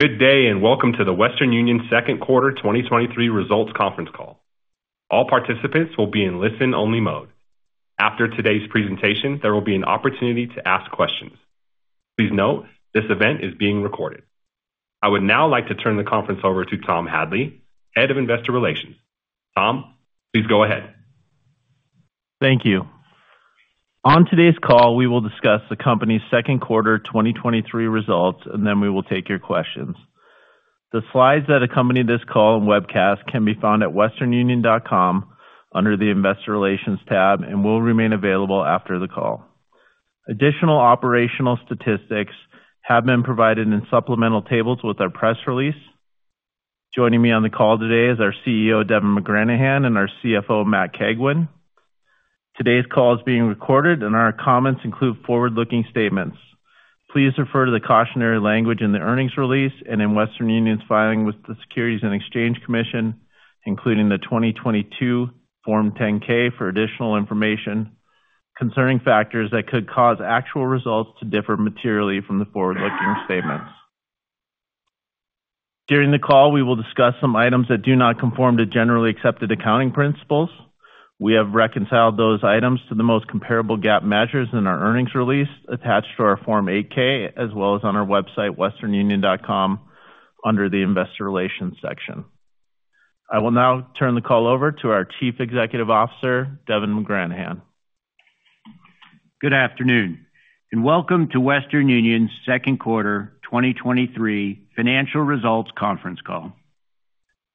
Good day, welcome to the Western Union second quarter 2023 results conference call. All participants will be in listen-only mode. After today's presentation, there will be an opportunity to ask questions. Please note, this event is being recorded. I would now like to turn the conference over to Tom Hadley, Head of Investor Relations. Tom, please go ahead. Thank you. On today's call, we will discuss the company's second quarter 2023 results, and then we will take your questions. The slides that accompany this call and webcast can be found at westernunion.com under the Investor Relations tab and will remain available after the call. Additional operational statistics have been provided in supplemental tables with our press release. Joining me on the call today is our CEO, Devin McGranahan, and our CFO, Matt Cagwin. Today's call is being recorded and our comments include forward-looking statements. Please refer to the cautionary language in the earnings release and in Western Union's filing with the Securities and Exchange Commission, including the 2022 Form 10-K, for additional information concerning factors that could cause actual results to differ materially from the forward-looking statements. During the call, we will discuss some items that do not conform to generally accepted accounting principles. We have reconciled those items to the most comparable GAAP measures in our earnings release attached to our Form 8-K, as well as on our website, westernunion.com, under the Investor Relations section. I will now turn the call over to our Chief Executive Officer, Devin McGranahan. Welcome to Western Union's second quarter 2023 financial results conference call.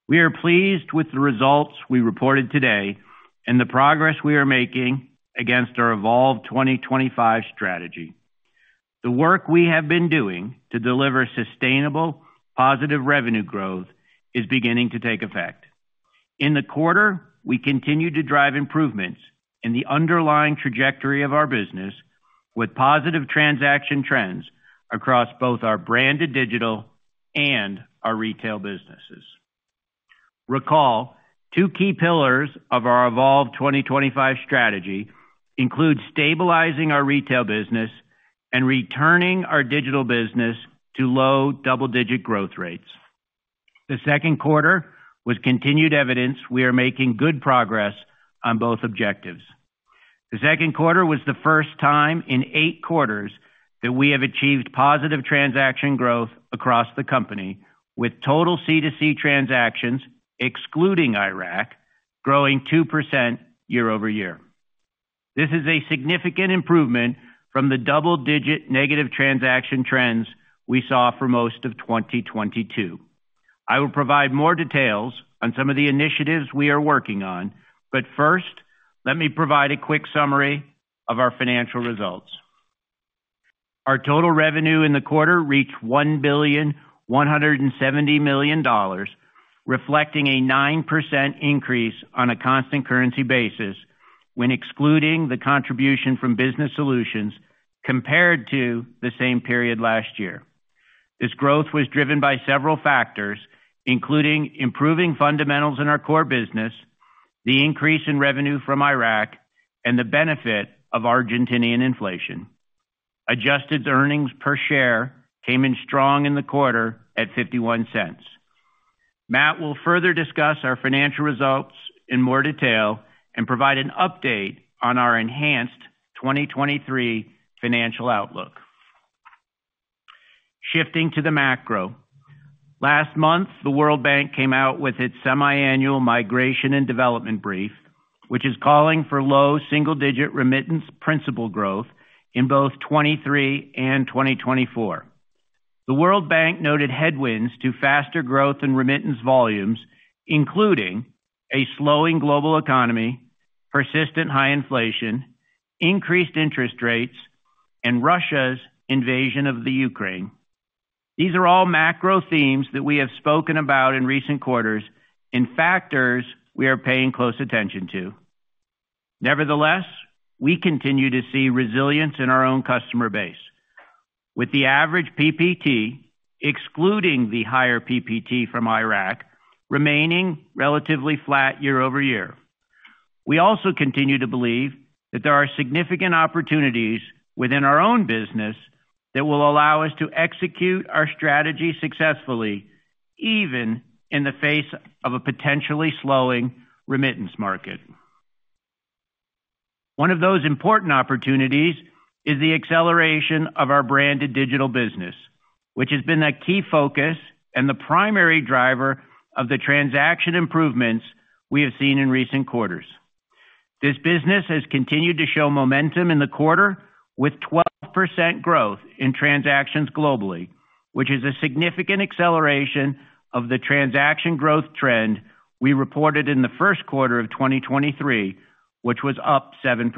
We are pleased with the results we reported today and the progress we are making against our Evolve 2025 strategy. The work we have been doing to deliver sustainable, positive revenue growth is beginning to take effect. In the quarter, we continued to drive improvements in the underlying trajectory of our business, with positive transaction trends across both our branded digital and our retail businesses. Recall, two key pillars of our Evolve 2025 strategy include stabilizing our retail business and returning our digital business to low double-digit growth rates. The second quarter was continued evidence we are making good progress on both objectives. The second quarter was the first time in 8 quarters that we have achieved positive transaction growth across the company, with total C2C transactions, excluding Iraq, growing 2% year-over-year. This is a significant improvement from the double-digit negative transaction trends we saw for most of 2022. I will provide more details on some of the initiatives we are working on, but first, let me provide a quick summary of our financial results. Our total revenue in the quarter reached $1.17 billion, reflecting a 9% increase on a constant currency basis when excluding the contribution from Business Solutions compared to the same period last year. This growth was driven by several factors, including improving fundamentals in our core business, the increase in revenue from Iraq, and the benefit of Argentinian inflation. Adjusted EPS came in strong in the quarter at $0.51. Matt will further discuss our financial results in more detail and provide an update on our enhanced 2023 financial outlook. Shifting to the macro. Last month, the World Bank came out with its semiannual Migration and Development Brief, which is calling for low single-digit remittance principal growth in both 23 and 2024. The World Bank noted headwinds to faster growth in remittance volumes, including a slowing global economy, persistent high inflation, increased interest rates, and Russia's invasion of Ukraine. These are all macro themes that we have spoken about in recent quarters and factors we are paying close attention to. Nevertheless, we continue to see resilience in our own customer base, with the average PPT, excluding the higher PPT from Iraq, remaining relatively flat year-over-year. We also continue to believe that there are significant opportunities within our own business that will allow us to execute our strategy successfully, even in the face of a potentially slowing remittance market. One of those important opportunities is the acceleration of our branded digital business, which has been a key focus and the primary driver of the transaction improvements we have seen in recent quarters. This business has continued to show momentum in the quarter, with 12% growth in transactions globally, which is a significant acceleration of the transaction growth trend we reported in the first quarter of 2023, which was up 7%.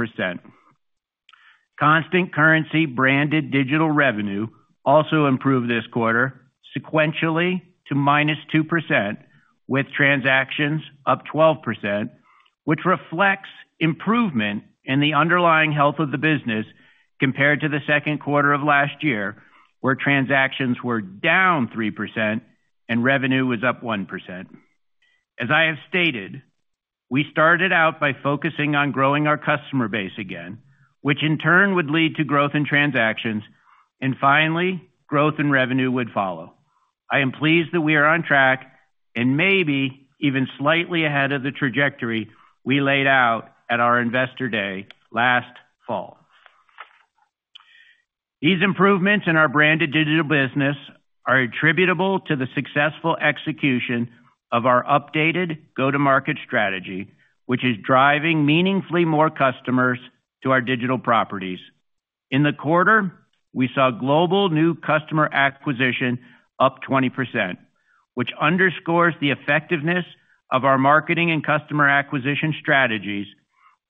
Constant currency branded digital revenue also improved this quarter sequentially to -2%, with transactions up 12%, which reflects improvement in the underlying health of the business compared to the second quarter of last year, where transactions were down 3% and revenue was up 1%. As I have stated, we started out by focusing on growing our customer base again, which in turn would lead to growth in transactions, and finally, growth in revenue would follow. I am pleased that we are on track and maybe even slightly ahead of the trajectory we laid out at our Investor Day last fall. These improvements in our branded digital business are attributable to the successful execution of our updated go-to-market strategy, which is driving meaningfully more customers to our digital properties. In the quarter, we saw global new customer acquisition up 20%, which underscores the effectiveness of our marketing and customer acquisition strategies,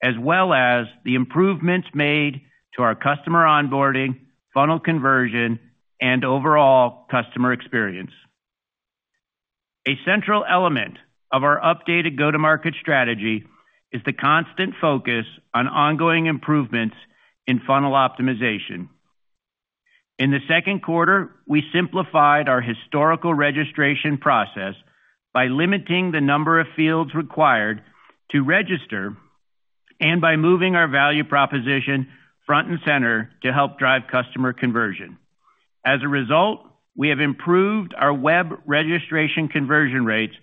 as well as the improvements made to our customer onboarding, funnel conversion, and overall customer experience. A central element of our updated go-to-market strategy is the constant focus on ongoing improvements in funnel optimization. In the second quarter, we simplified our historical registration process by limiting the number of fields required to register and by moving our value proposition front and center to help drive customer conversion. As a result, we have improved our web registration conversion rates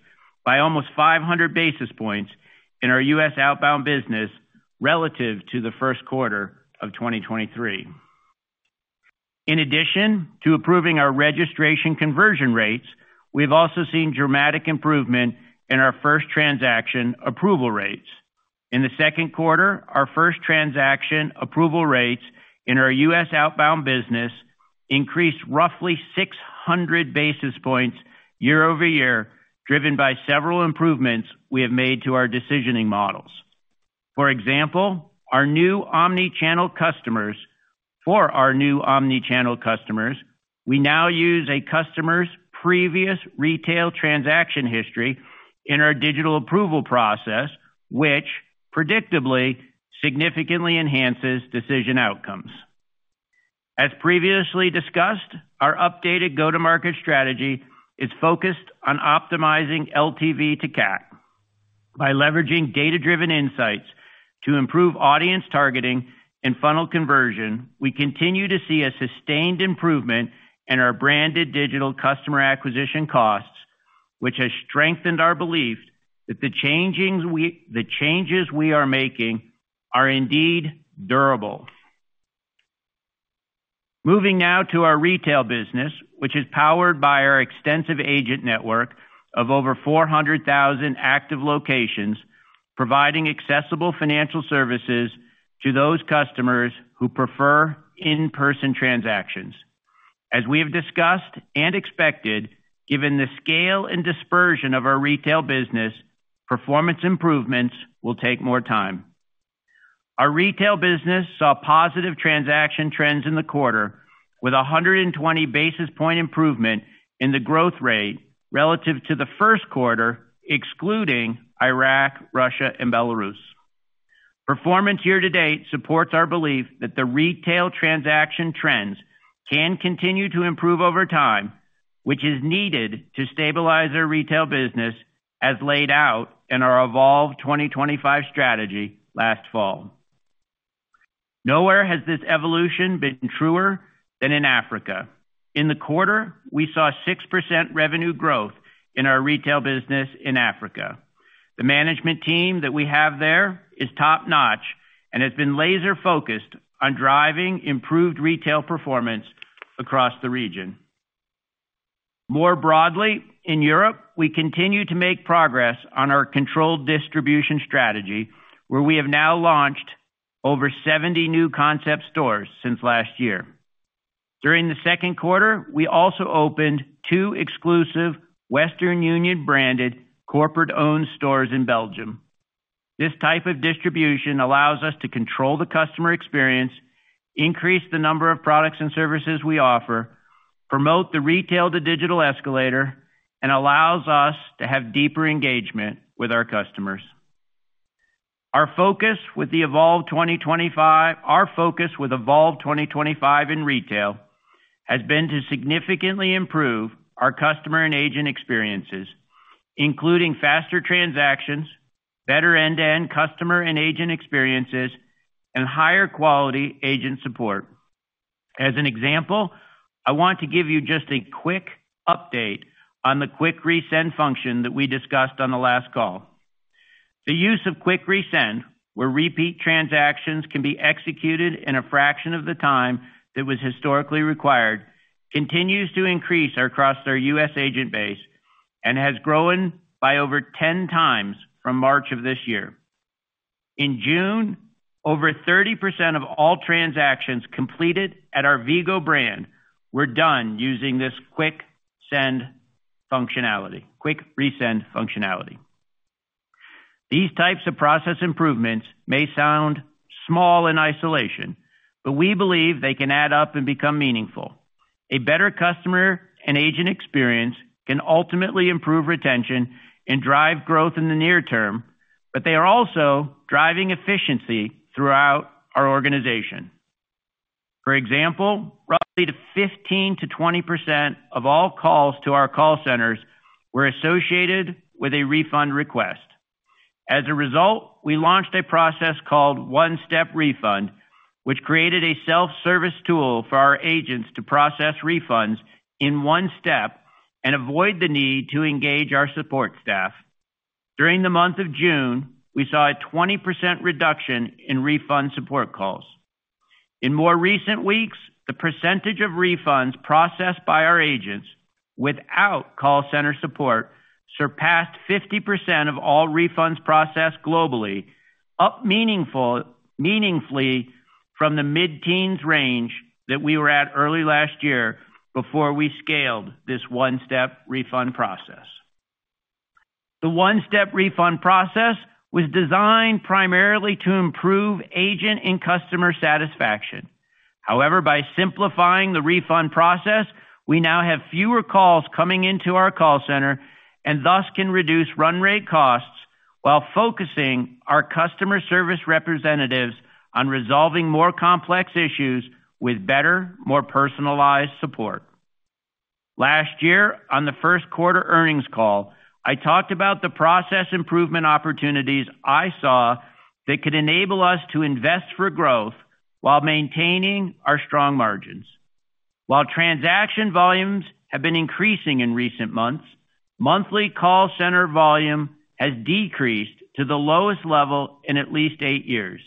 by almost 500 basis points in our U.S. outbound business relative to the first quarter of 2023. In addition to improving our registration conversion rates, we've also seen dramatic improvement in our first transaction approval rates. In the second quarter, our first transaction approval rates in our U.S. outbound business increased roughly 600 basis points year-over-year, driven by several improvements we have made to our decisioning models. For example, our new omni channel customers for our new omni channel customers, we now use a customer's previous retail transaction history in our digital approval process, which predictably, significantly enhances decision outcomes. As previously discussed, our updated go-to-market strategy is focused on optimizing LTV to CAC. By leveraging data-driven insights to improve audience targeting and funnel conversion, we continue to see a sustained improvement in our branded digital customer acquisition costs, which has strengthened our belief that the changes we are making are indeed durable. Moving now to our retail business, which is powered by our extensive agent network of over 400,000 active locations, providing accessible financial services to those customers who prefer in-person transactions. As we have discussed and expected, given the scale and dispersion of our retail business, performance improvements will take more time. Our retail business saw positive transaction trends in the quarter with 120 basis point improvement in the growth rate relative to the first quarter, excluding Iraq, Russia, and Belarus. Performance year-to-date supports our belief that the retail transaction trends can continue to improve over time, which is needed to stabilize our retail business as laid out in our Evolve 2025 strategy last fall. Nowhere has this evolution been truer than in Africa. In the quarter, we saw 6% revenue growth in our retail business in Africa. The management team that we have there is top-notch and has been laser-focused on driving improved retail performance across the region. More broadly, in Europe, we continue to make progress on our controlled distribution strategy, where we have now launched over 70 new concept stores since last year. During the second quarter, we also opened 2 exclusive Western Union-branded corporate-owned stores in Belgium. This type of distribution allows us to control the customer experience, increase the number of products and services we offer, promote the retail to digital escalator, and allows us to have deeper engagement with our customers. Our focus with Evolve 2025 in retail has been to significantly improve our customer and agent experiences, including faster transactions, better end-to-end customer and agent experiences, and higher quality agent support. As an example, I want to give you just a quick update on the Quick Resend function that we discussed on the last call. The use of Quick Resend, where repeat transactions can be executed in a fraction of the time that was historically required, continues to increase across our U.S. agent base and has grown by over 10 times from March of this year. In June, over 30% of all transactions completed at our Vigo brand were done using this Quick Resend functionality. These types of process improvements may sound small in isolation, but we believe they can add up and become meaningful. A better customer and agent experience can ultimately improve retention and drive growth in the near term, but they are also driving efficiency throughout our organization. For example, roughly 15% to 20% of all calls to our call centers were associated with a refund request. We launched a process called One Step Refund, which created a self-service tool for our agents to process refunds in one step and avoid the need to engage our support staff. During the month of June, we saw a 20% reduction in refund support calls. In more recent weeks, the percentage of refunds processed by our agents without call center support surpassed 50% of all refunds processed globally, up meaningfully from the mid-teens range that we were at early last year before we scaled this One Step Refund process. The One Step Refund process was designed primarily to improve agent and customer satisfaction. By simplifying the refund process, we now have fewer calls coming into our call center and thus can reduce run rate costs while focusing our customer service representatives on resolving more complex issues with better, more personalized support. Last year, on the first quarter earnings call, I talked about the process improvement opportunities I saw that could enable us to invest for growth while maintaining our strong margins. While transaction volumes have been increasing in recent months, monthly call center volume has decreased to the lowest level in at least 8 years.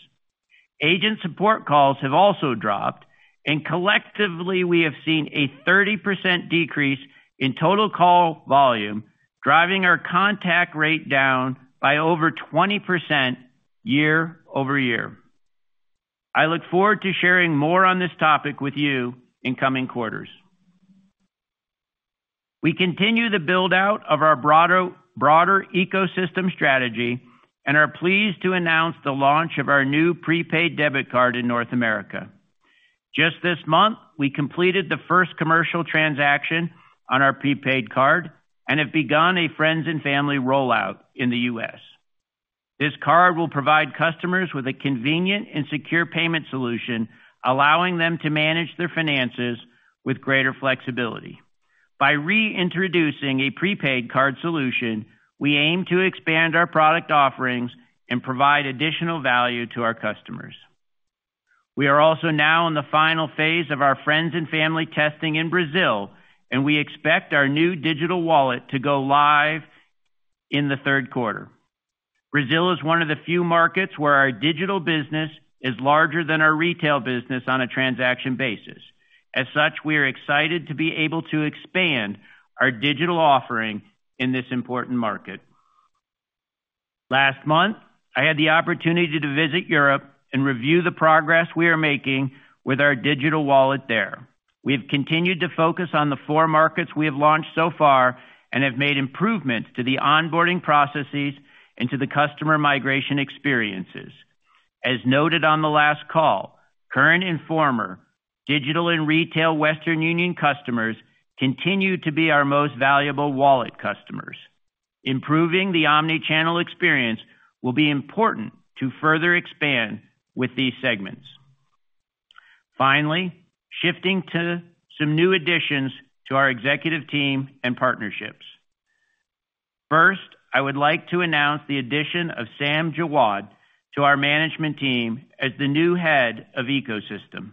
Agent support calls have also dropped, and collectively, we have seen a 30% decrease in total call volume, driving our contact rate down by over 20% year-over-year. I look forward to sharing more on this topic with you in coming quarters. We continue the build-out of our broader ecosystem strategy and are pleased to announce the launch of our new prepaid debit card in North America. Just this month, we completed the first commercial transaction on our prepaid card and have begun a friends and family rollout in the U.S. This card will provide customers with a convenient and secure payment solution, allowing them to manage their finances with greater flexibility. By reintroducing a prepaid card solution, we aim to expand our product offerings and provide additional value to our customers. We are also now in the final phase of our friends and family testing in Brazil, and we expect our new digital wallet to go live in the third quarter. Brazil is one of the few markets where our digital business is larger than our retail business on a transaction basis. We are excited to be able to expand our digital offering in this important market. Last month, I had the opportunity to visit Europe and review the progress we are making with our digital wallet there. We have continued to focus on the four markets we have launched so far and have made improvements to the onboarding processes and to the customer migration experiences. As noted on the last call, current and former digital and retail Western Union customers continue to be our most valuable wallet customers. Improving the omni-channel experience will be important to further expand with these segments. Shifting to some new additions to our executive team and partnerships. First, I would like to announce the addition of Sam Jawad to our management team as the new Head of Ecosystem.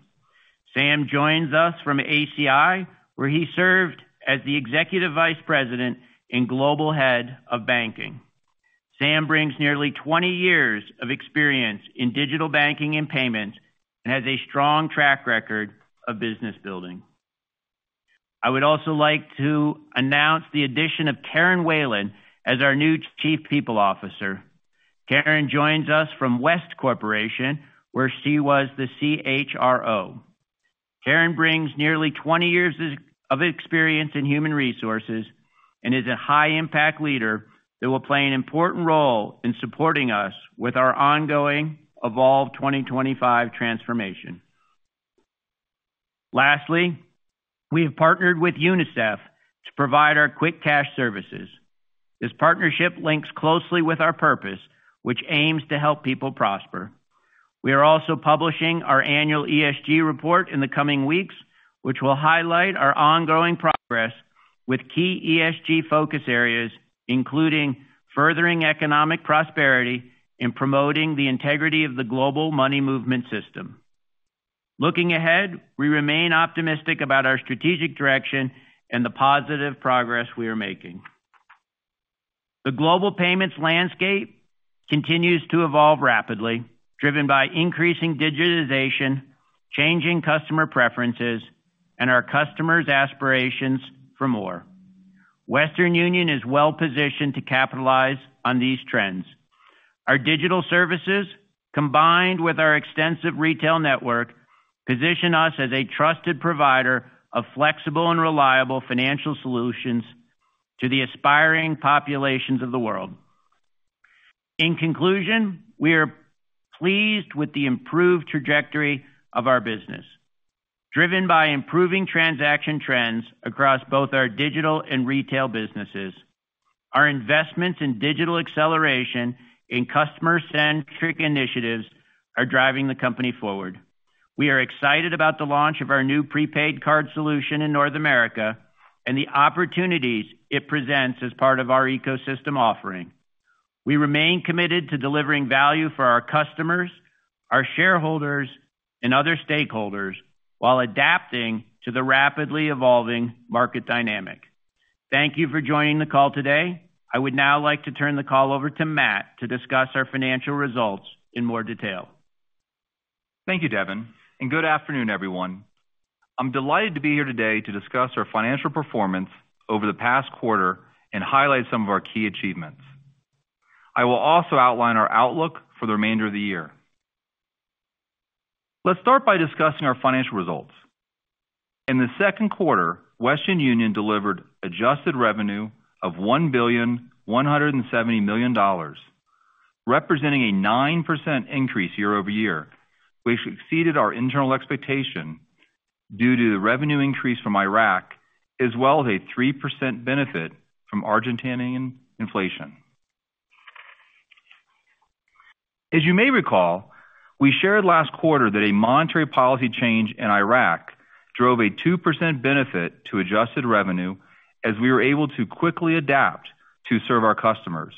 Sam joins us from ACI, where he served as the Executive Vice President and Global Head of Banking. Sam brings nearly 20 years of experience in digital banking and payments and has a strong track record of business building. I would also like to announce the addition of Karen Whalen as our new Chief People Officer. Karen joins us from West Corporation, where she was the CHRO. Karen brings nearly 20 years of experience in human resources and is a high-impact leader that will play an important role in supporting us with our ongoing Evolve 2025 transformation. Lastly we have partnered with UNICEF to provide our Quick Cash services. This partnership links closely with our purpose, which aims to help people prosper. We are also publishing our annual ESG report in the coming weeks, which will highlight our ongoing progress with key ESG focus areas, including furthering economic prosperity and promoting the integrity of the global money movement system. Looking ahead, we remain optimistic about our strategic direction and the positive progress we are making. The global payments landscape continues to evolve rapidly, driven by increasing digitization, changing customer preferences, and our customers' aspirations for more. Western Union is well-positioned to capitalize on these trends. Our digital services, combined with our extensive retail network, position us as a trusted provider of flexible and reliable financial solutions to the aspiring populations of the world. In conclusion, we are pleased with the improved trajectory of our business, driven by improving transaction trends across both our digital and retail businesses. Our investments in digital acceleration and customer-centric initiatives are driving the company forward. We are excited about the launch of our new prepaid card solution in North America and the opportunities it presents as part of our ecosystem offering. We remain committed to delivering value for our customers, our shareholders, and other stakeholders, while adapting to the rapidly evolving market dynamic. Thank you for joining the call today. I would now like to turn the call over to Matt to discuss our financial results in more detail. Thank you, Devin. Good afternoon, everyone. I'm delighted to be here today to discuss our financial performance over the past quarter and highlight some of our key achievements. I will also outline our outlook for the remainder of the year. Let's start by discussing our financial results. In the second quarter, Western Union delivered adjusted revenue of $1.17 billion, representing a 9% increase year-over-year, which exceeded our internal expectation due to the revenue increase from Iraq, as well as a 3% benefit from Argentinian inflation. As you may recall, we shared last quarter that a monetary policy change in Iraq drove a 2% benefit to adjusted revenue as we were able to quickly adapt to serve our customers.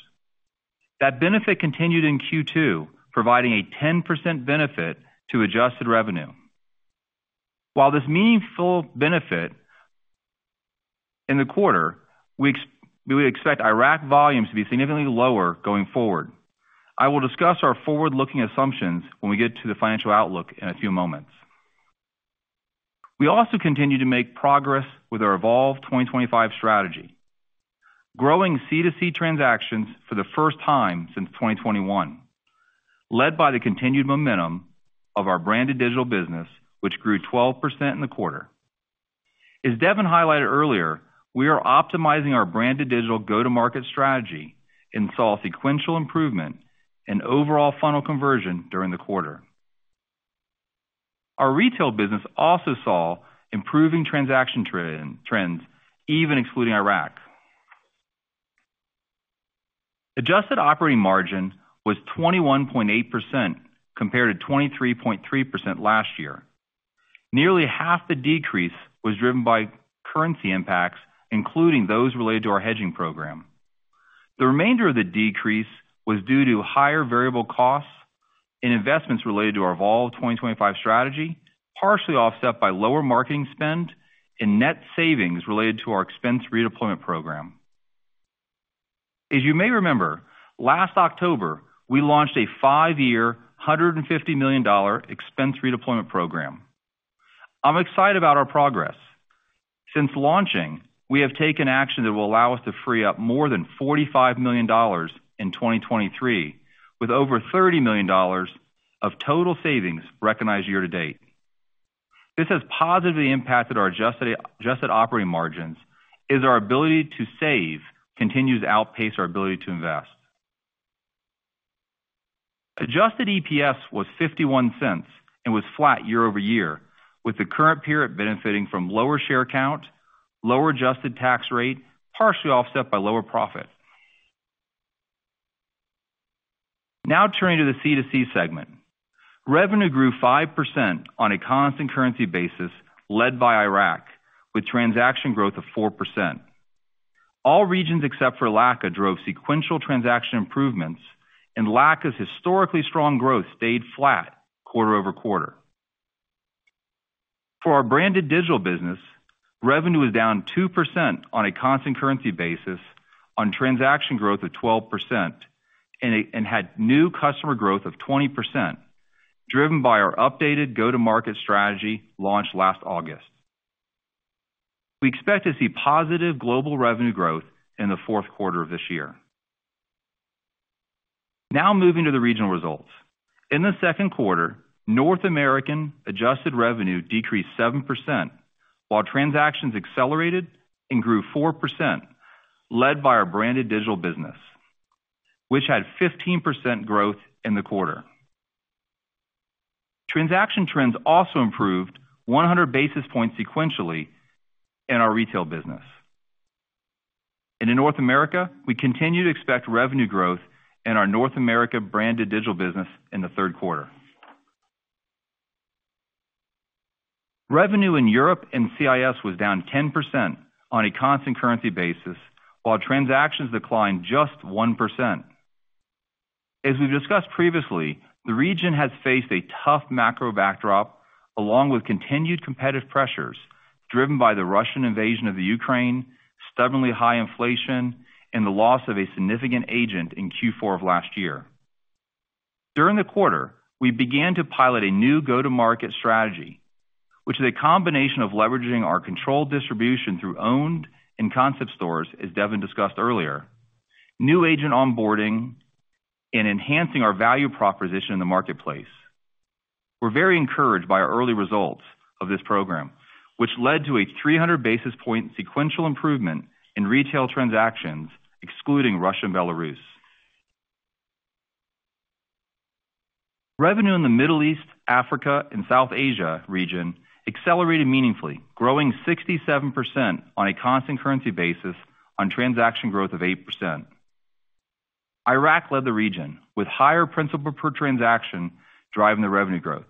That benefit continued in Q2, providing a 10% benefit to adjusted revenue. While this meaningful benefit in the quarter, we expect Iraq volumes to be significantly lower going forward. I will discuss our forward-looking assumptions when we get to the financial outlook in a few moments. We also continue to make progress with our Evolve 2025 strategy, growing C2C transactions for the first time since 2021, led by the continued momentum of our branded digital business, which grew 12% in the quarter. As Devin highlighted earlier, we are optimizing our branded digital go-to-market strategy and saw a sequential improvement in overall funnel conversion during the quarter. Our retail business also saw improving transaction trends, even excluding Iraq. Adjusted operating margin was 21.8%, compared to 23.3% last year. Nearly half the decrease was driven by currency impacts, including those related to our hedging program. The remainder of the decrease was due to higher variable costs and investments related to our Evolve 2025 strategy, partially offset by lower marketing spend and net savings related to our expense redeployment program. As you may remember, last October, we launched a five-year, $150 million expense redeployment program. I'm excited about our progress. Since launching, we have taken action that will allow us to free up more than $45 million in 2023, with over $30 million of total savings recognized year to date. This has positively impacted our adjusted operating margins, as our ability to save continues to outpace our ability to invest. Adjusted EPS was $0.51 and was flat year-over-year, with the current period benefiting from lower share count, lower adjusted tax rate, partially offset by lower profit. Now turning to the C2C segment. Revenue grew 5% on a constant currency basis, led by Iraq, with transaction growth of 4%. All regions except for LACA drove sequential transaction improvements. LACA's historically strong growth stayed flat quarter-over-quarter. For our branded digital business, revenue was down 2% on a constant currency basis on transaction growth of 12% and had new customer growth of 20%, driven by our updated go-to-market strategy launched last August. We expect to see positive global revenue growth in the fourth quarter of this year. Moving to the regional results. In the second quarter, North American adjusted revenue decreased 7%, while transactions accelerated and grew 4%, led by our branded digital business, which had 15% growth in the quarter. Transaction trends also improved 100 basis points sequentially in our retail business. In North America, we continue to expect revenue growth in our North America branded digital business in the third quarter. Revenue in Europe and CIS was down 10% on a constant currency basis, while transactions declined just 1%. As we've discussed previously, the region has faced a tough macro backdrop, along with continued competitive pressures driven by the Russian invasion of Ukraine, stubbornly high inflation, and the loss of a significant agent in Q4 of last year. During the quarter, we began to pilot a new go-to-market strategy, which is a combination of leveraging our controlled distribution through owned and concept stores, as Devin discussed earlier, new agent onboarding and enhancing our value proposition in the marketplace. We're very encouraged by our early results of this program, which led to a 300 basis point sequential improvement in retail transactions, excluding Russia and Belarus. Revenue in the Middle East, Africa, and South Asia region accelerated meaningfully, growing 67% on a constant currency basis on transaction growth of 8%. Iraq led the region with higher principal per transaction, driving the revenue growth.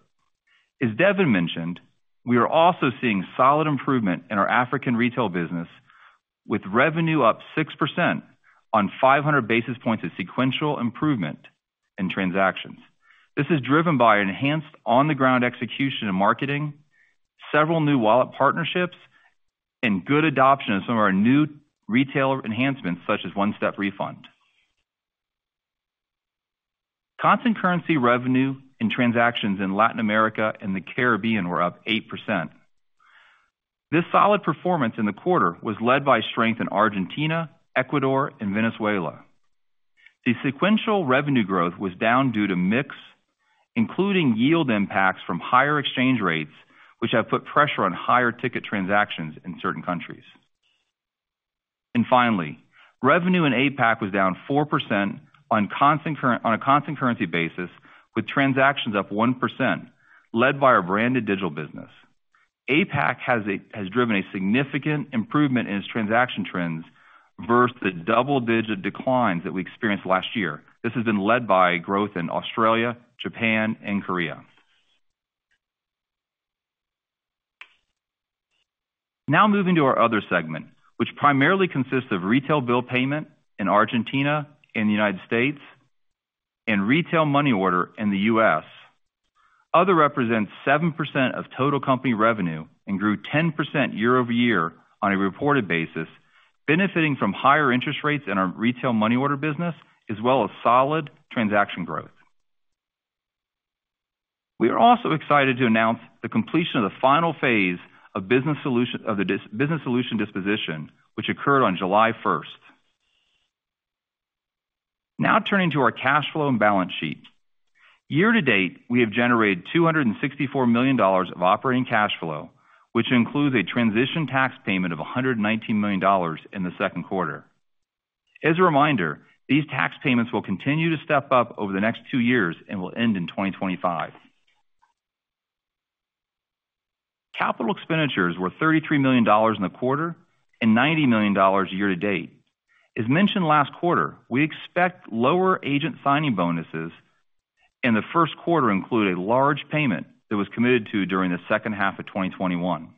As Devin mentioned, we are also seeing solid improvement in our African retail business, with revenue up 6% on 500 basis points of sequential improvement in transactions. This is driven by an enhanced on-the-ground execution and marketing, several new wallet partnerships, and good adoption of some of our new retail enhancements, such as OneStep Refund. Constant currency revenue and transactions in Latin America and the Caribbean were up 8%. This solid performance in the quarter was led by strength in Argentina, Ecuador, and Venezuela. The sequential revenue growth was down due to mix, including yield impacts from higher exchange rates, which have put pressure on higher ticket transactions in certain countries. Finally, revenue in APAC was down 4% on a constant currency basis, with transactions up 1%, led by our branded digital business. APAC has driven a significant improvement in its transaction trends versus the double-digit declines that we experienced last year. This has been led by growth in Australia, Japan, and Korea. Moving to our other segment, which primarily consists of retail bill payment in Argentina and the United States and retail money order in the U.S. Other represents 7% of total company revenue and grew 10% year-over-year on a reported basis, benefiting from higher interest rates in our retail money order business, as well as solid transaction growth. We are also excited to announce the completion of the final phase of Business Solutions disposition, which occurred on July 1st. Turning to our cash flow and balance sheet. Year to date, we have generated $264 million of operating cash flow, which includes a transition tax payment of $119 million in the second quarter. As a reminder, these tax payments will continue to step up over the next two years and will end in 2025. Capital expenditures were $33 million in the quarter and $90 million year to date. As mentioned last quarter, we expect lower agent signing bonuses. The first quarter included a large payment that was committed to during the second half of 2021.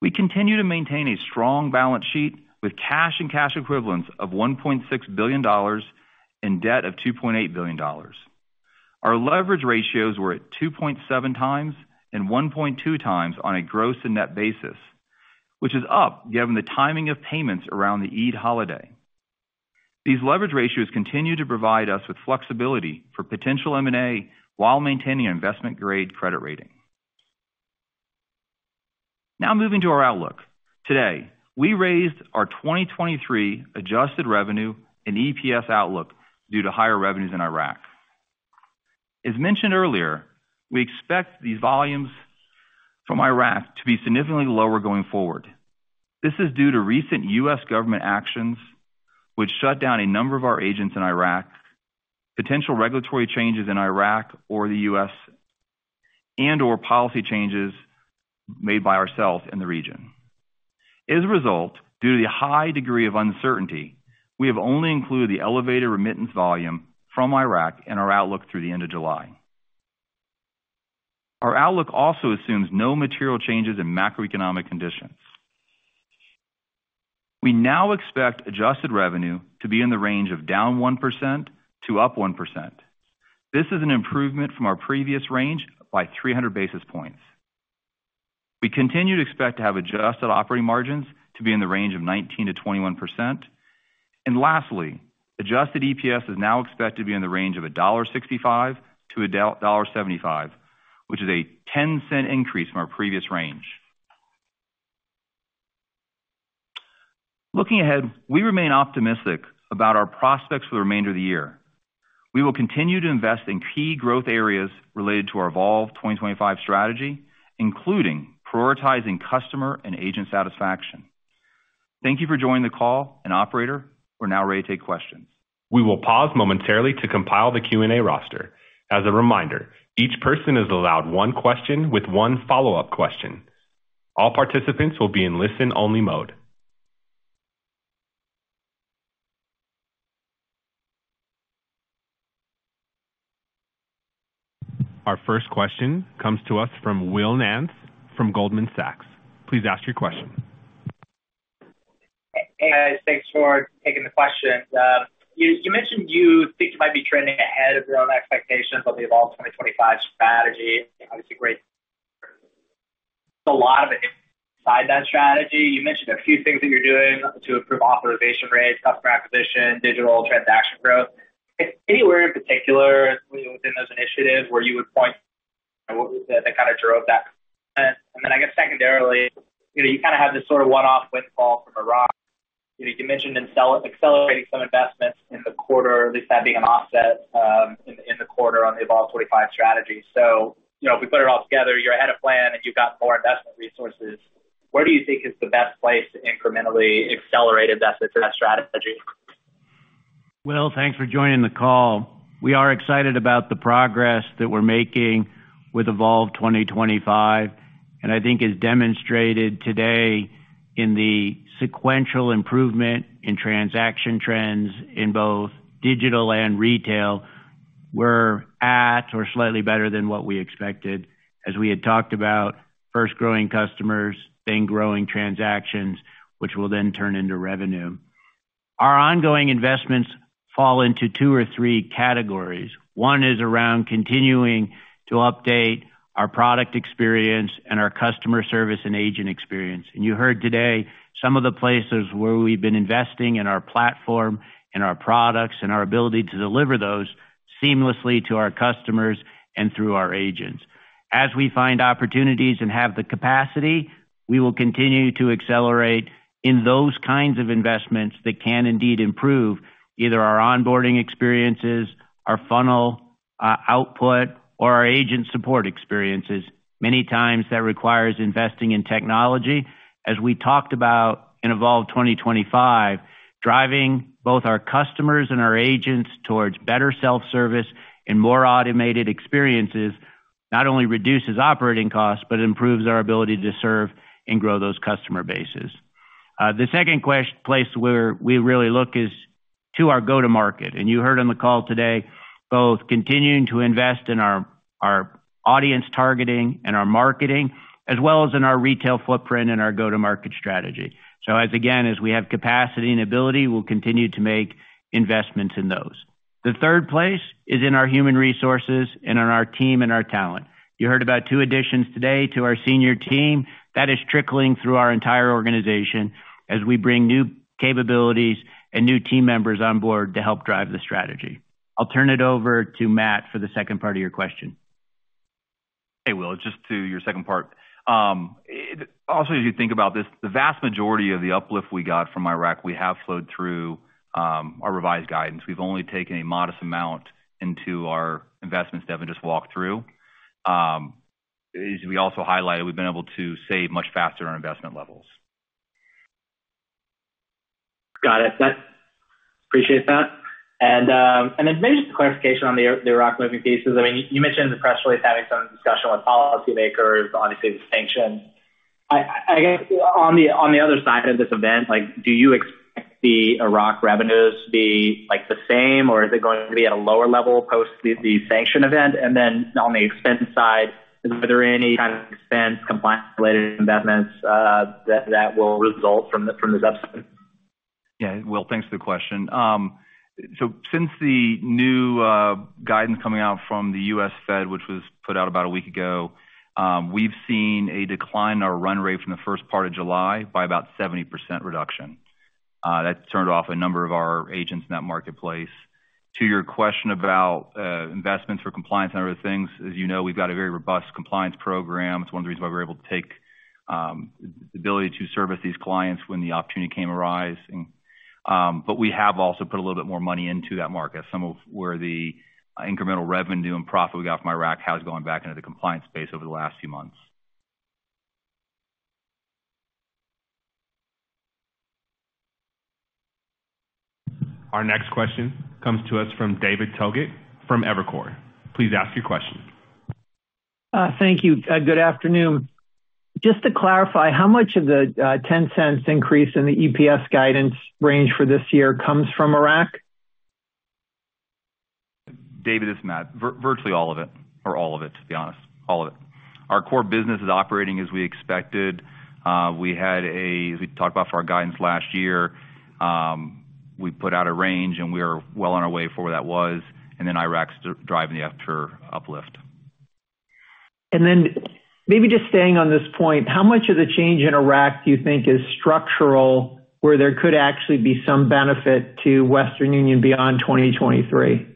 We continue to maintain a strong balance sheet with cash and cash equivalents of $1.6 billion and debt of $2.8 billion. Our leverage ratios were at 2.7 times and 1.2 times on a gross and net basis, which is up given the timing of payments around the Eid holiday. These leverage ratios continue to provide us with flexibility for potential M&A while maintaining our investment-grade credit rating. Moving to our outlook. Today, we raised our 2023 adjusted revenue and EPS outlook due to higher revenues in Iraq. As mentioned earlier, we expect these volumes from Iraq to be significantly lower going forward. This is due to recent U.S. government actions, which shut down a number of our agents in Iraq, potential regulatory changes in Iraq or the U.S., and/or policy changes made by ourselves in the region. As a result, due to the high degree of uncertainty, we have only included the elevated remittance volume from Iraq in our outlook through the end of July. Our outlook also assumes no material changes in macroeconomic conditions. We now expect adjusted revenue to be in the range of down 1% to up 1%. This is an improvement from our previous range by 300 basis points. We continue to expect to have adjusted operating margins to be in the range of 19%-21%. Lastly, adjusted EPS is now expected to be in the range of $1.65 to $1.75, which is a $0.10 increase from our previous range. Looking ahead, we remain optimistic about our prospects for the remainder of the year. We will continue to invest in key growth areas related to our Evolve 2025 strategy, including prioritizing customer and agent satisfaction. Thank you for joining the call. Operator, we're now ready to take questions. We will pause momentarily to compile the Q&A roster. As a reminder, each person is allowed one question with one follow-up question. All participants will be in listen-only mode. Our first question comes to us from Will Nance from Goldman Sachs. Please ask your question. Hey, guys, thanks for taking the question. You mentioned you think you might be trending ahead of your own expectations on the Evolve 2025 strategy. Obviously, a lot of it inside that strategy. You mentioned a few things that you're doing to improve authorization rates, customer acquisition, digital transaction growth. Anywhere in particular within those initiatives where you would point what was it that kind of drove that? I guess secondarily, you know, you kind of have this sort of one-off windfall from Iraq. You know, you mentioned accelerating some investments in the quarter, at least that being an offset in the quarter on the Evolve 2025 strategy. You know, if we put it all together, you're ahead of plan and you've got more investment resources. Where do you think is the best place to incrementally accelerate investments in that strategy? Will, thanks for joining the call. We are excited about the progress that we're making with Evolve 2025, I think as demonstrated today in the sequential improvement in transaction trends in both digital and retail, we're at or slightly better than what we expected. As we had talked about, first growing customers, then growing transactions, which will then turn into revenue. Our ongoing investments fall into two or three categories. One is around continuing to update our product experience and our customer service and agent experience. You heard today some of the places where we've been investing in our platform and our products, and our ability to deliver those seamlessly to our customers and through our agents. As we find opportunities and have the capacity, we will continue to accelerate in those kinds of investments that can indeed improve either our onboarding experiences, our funnel output, or our agent support experiences. Many times, that requires investing in technology. As we talked about in Evolve 2025, driving both our customers and our agents towards better self-service and more automated experiences, not only reduces operating costs, but improves our ability to serve and grow those customer bases. The second place where we really look is to our go-to-market, and you heard on the call today, both continuing to invest in our audience targeting and our marketing, as well as in our retail footprint and our go-to-market strategy. As, again, as we have capacity and ability, we'll continue to make investments in those. The third place is in our human resources and in our team and our talent. You heard about two additions today to our senior team. That is trickling through our entire organization as we bring new capabilities and new team members on board to help drive the strategy. I'll turn it over to Matt for the second part of your question. Hey, Will, just to your second part. Also, as you think about this, the vast majority of the uplift we got from Iraq, we have flowed through, our revised guidance. We've only taken a modest amount into our investments that I've just walked through. As we also highlighted, we've been able to save much faster on investment levels. Got it. Appreciate that. Then maybe just a clarification on the Iraq moving pieces. I mean, you mentioned in the press release, having some discussion with policymakers, obviously, the sanctions. I guess, on the other side of this event, like, do you expect the Iraq revenues to be, like, the same, or is it going to be at a lower level post the sanction event? Then on the expense side, are there any kind of expense compliance-related investments that will result from the substance? Yeah, Will, thanks for the question. Since the new guidance coming out from the US Fed, which was put out about a week ago, we've seen a decline in our run rate from the first part of July by about 70% reduction. That turned off a number of our agents in that marketplace. To your question about investments for compliance and other things, as you know, we've got a very robust compliance program. It's one of the reasons why we're able to take the ability to service these clients when the opportunity came arise. We have also put a little bit more money into that market. Some of where the incremental revenue and profit we got from Iraq has gone back into the compliance space over the last few months. Our next question comes to us from David Togut from Evercore. Please ask your question. Thank you. Good afternoon. Just to clarify, how much of the $0.10 increase in the EPS guidance range for this year comes from Iraq? David, it's Matt. Virtually all of it or all of it, to be honest. All of it. Our core business is operating as we expected. We talked about for our guidance last year, we put out a range, and we are well on our way for where that was, and then Iraq's driving the after uplift. Maybe just staying on this point, how much of the change in Iraq do you think is structural, where there could actually be some benefit to Western Union beyond 2023?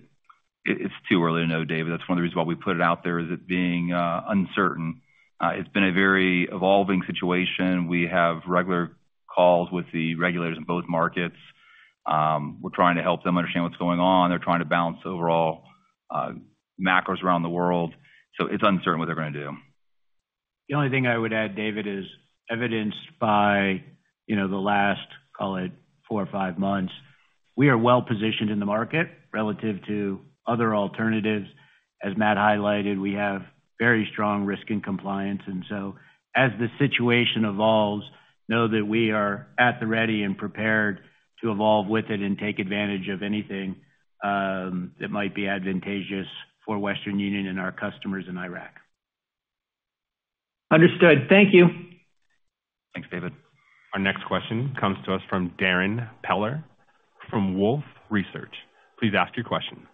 It's too early to know, David. That's one of the reasons why we put it out there, is it being uncertain. It's been a very evolving situation. We have regular calls with the regulators in both markets. We're trying to help them understand what's going on. They're trying to balance overall macros around the world, so it's uncertain what they're gonna do. The only thing I would add, David, is evidenced by, you know, the last, call it four or five months, we are well positioned in the market relative to other alternatives. As Matt highlighted, we have very strong risk and compliance, and so as the situation evolves, know that we are at the ready and prepared to evolve with it and take advantage of anything, that might be advantageous for Western Union and our customers in Iraq. Understood. Thank you. Thanks, David. Our next question comes to us from Darrin Peller from Wolfe Research. Please ask your question.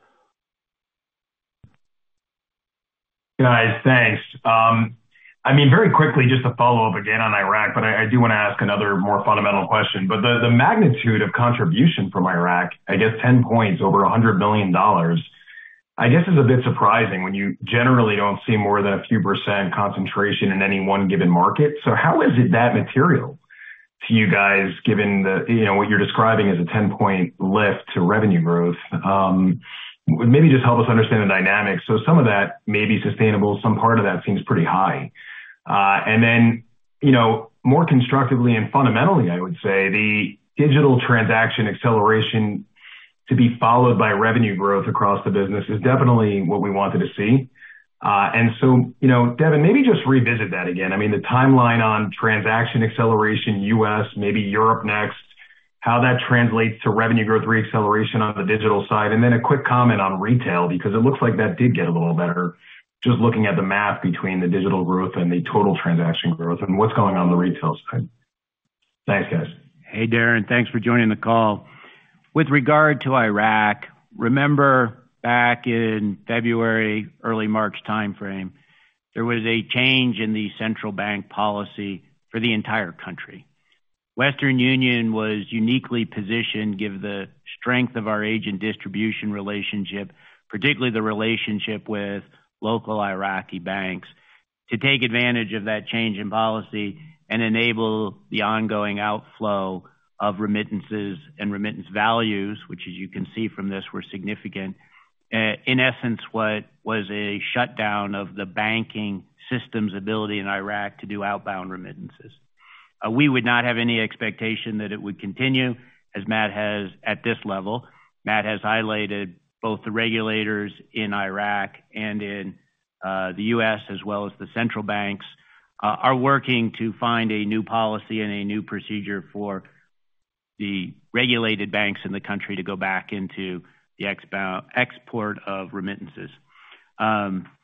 Guys, thanks. I mean, very quickly, just to follow up again on Iraq, I do want to ask another more fundamental question. The magnitude of contribution from Iraq, I guess 10 points over $100 billion, I guess is a bit surprising when you generally don't see more than a few % concentration in any one given market. How is it that material? To you guys, given the, you know, what you're describing as a 10-point lift to revenue growth. Maybe just help us understand the dynamics. Some of that may be sustainable. Some part of that seems pretty high. More constructively and fundamentally, I would say, the digital transaction acceleration to be followed by revenue growth across the business is definitely what we wanted to see. Devin, maybe just revisit that again. I mean, the timeline on transaction acceleration, U.S., maybe Europe next, how that translates to revenue growth reacceleration on the digital side. A quick comment on retail, because it looks like that did get a little better. Just looking at the math between the digital growth and the total transaction growth and what's going on on the retail side. Thanks, guys. Hey, Darrin, thanks for joining the call. With regard to Iraq, remember back in February, early March timeframe, there was a change in the central bank policy for the entire country. Western Union was uniquely positioned, given the strength of our agent distribution relationship, particularly the relationship with local Iraqi banks, to take advantage of that change in policy and enable the ongoing outflow of remittances and remittance values, which, as you can see from this, were significant. In essence, what was a shutdown of the banking system's ability in Iraq to do outbound remittances? We would not have any expectation that it would continue, as Matt has, at this level. Matt has highlighted both the regulators in Iraq and in the U.S., as well as the central banks, are working to find a new policy and a new procedure for the regulated banks in the country to go back into the export of remittances.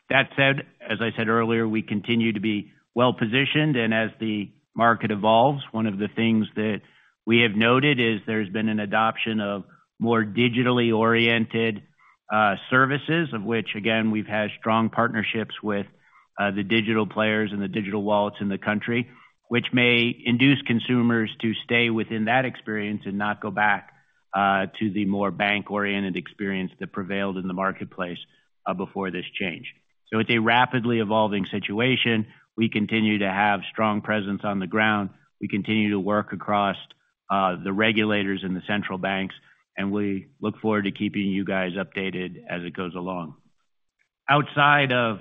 That said, as I said earlier, we continue to be well-positioned, and as the market evolves, one of the things that we have noted is there's been an adoption of more digitally oriented services, of which, again, we've had strong partnerships with the digital players and the digital wallets in the country, which may induce consumers to stay within that experience and not go back to the more bank-oriented experience that prevailed in the marketplace before this change. It's a rapidly evolving situation. We continue to have strong presence on the ground. We continue to work across the regulators and the central banks, and we look forward to keeping you guys updated as it goes along. Outside of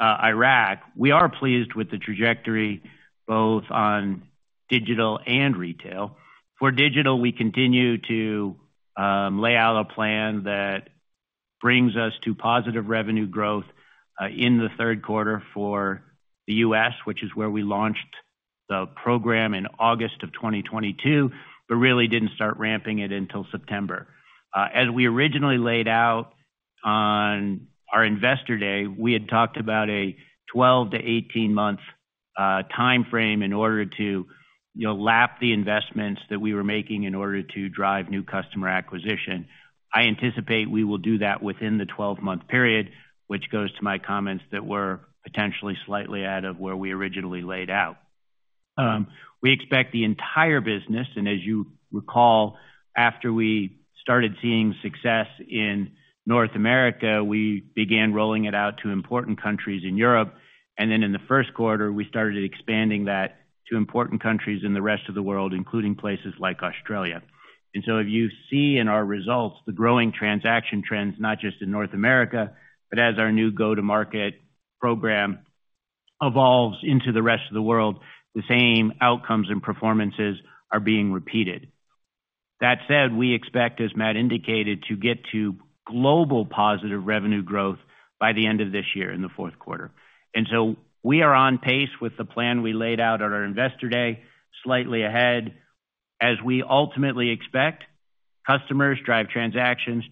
Iraq, we are pleased with the trajectory, both on digital and retail. For digital, we continue to lay out a plan that brings us to positive revenue growth in the third quarter for the US, which is where we launched the program in August of 2022, but really didn't start ramping it until September. As we originally laid out on our Investor Day, we had talked about a 12 to 18 month timeframe in order to, you know, lap the investments that we were making in order to drive new customer acquisition. I anticipate we will do that within the 12 month period, which goes to my comments that we're potentially slightly ahead of where we originally laid out. We expect the entire business, and as you recall, after we started seeing success in North America, we began rolling it out to important countries in Europe, and then in the first quarter, we started expanding that to important countries in the rest of the world, including places like Australia. If you see in our results, the growing transaction trends, not just in North America, but as our new go-to-market program evolves into the rest of the world, the same outcomes and performances are being repeated. That said, we expect, as Matt indicated, to get to global positive revenue growth by the end of this year in the fourth quarter. We are on pace with the plan we laid out on our Investor Day, slightly ahead. As we ultimately expect, customers drive transactions